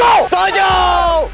turun ke prabu siliwangi